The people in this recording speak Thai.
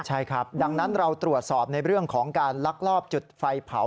ใช่ครับดังนั้นเราตรวจสอบในเรื่องของการลักลอบจุดไฟเผา